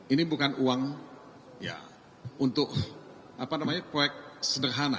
ini bukan uang ya untuk apa namanya proyek sederhana